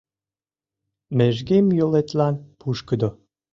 Межгем йолетлан пушкыдо.